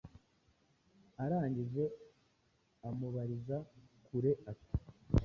arangije amubariza kure ati